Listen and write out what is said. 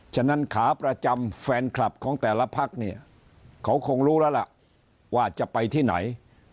ฉะนั้นขาประจำแฟนคลับของแต่ละพักเนี่ยเขาคงรู้แล้วล่ะว่าจะไปที่ไหน